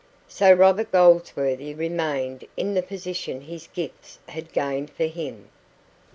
So Robert Goldsworthy remained in the position his gifts had gained for him.